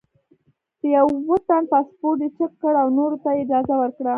د یوه تن پاسپورټ یې چیک کړ او نورو ته یې اجازه ورکړه.